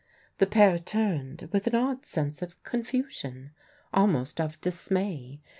The pair turned with an odd sense of confusion, almost of dismay.